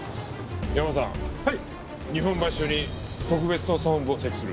ヤマさん日本橋署に特別捜査本部を設置する。